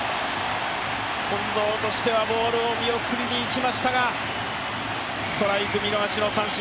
近藤としてはボールを見送りにいきましたがストライク見逃しの三振。